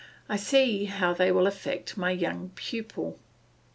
I see how they will affect my young pupil.